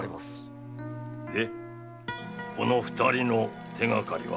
その二人の手がかりは？